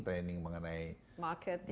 training mengenai marketing